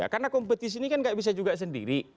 karena kompetisi ini kan gak bisa juga sendiri